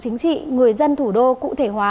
chính trị người dân thủ đô cụ thể hóa